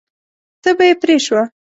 تبه یې پرې شوه.